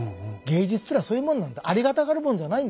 芸術っていうのはそういうものなんだありがたがるもんじゃないんだ。